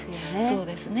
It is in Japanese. そうですね。